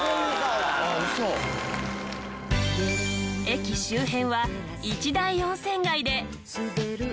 駅周辺は一大温泉街で。